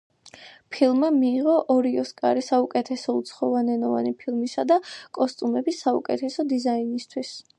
ფილმმა მიიღო ორი ოსკარი, საუკეთესო უცხოენოვანი ფილმისა და კოსტუმების საუკეთესო დიზაინისთვის.